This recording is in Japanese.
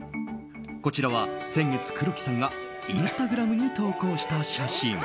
こちらは先月、黒木さんがインスタグラムに投稿した写真。